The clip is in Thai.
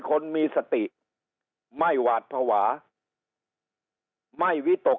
คนมีสติไม่หวาดภาวะไม่วิตก